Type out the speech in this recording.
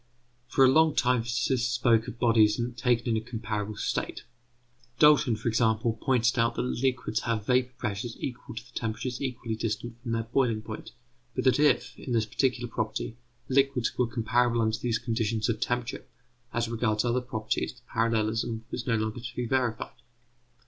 For a long time physicists spoke of bodies taken in a comparable state. Dalton, for example, pointed out that liquids have vapour pressures equal to the temperatures equally distant from their boiling point; but that if, in this particular property, liquids were comparable under these conditions of temperature, as regards other properties the parallelism was no longer to be verified.